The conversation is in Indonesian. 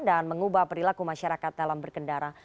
dan mengubah perilaku masyarakat dalam berkendara